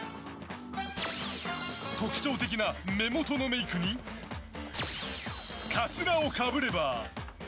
特徴的な目元のメイクにカツラをかぶれば。